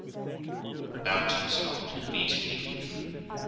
I bowed to my Lord , and immediately withdrew.